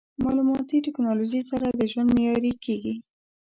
مالوماتي ټکنالوژي سره د ژوند معیاري کېږي.